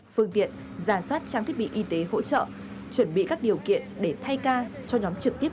phương tiện giả soát trang thiết bị y tế hỗ trợ chuẩn bị các điều kiện để thay ca cho nhóm trực tiếp